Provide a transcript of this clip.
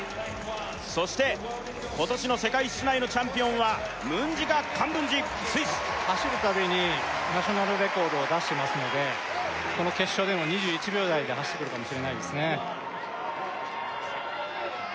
そして今年の世界室内のチャンピオンはムジンガ・カンブンジスイス走るたびにナショナルレコードを出してますのでこの決勝でも２１秒台で走ってくるかもしれないですね